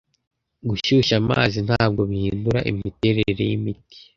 Gushyushya amazi ntabwo bihindura imiterere yimiti.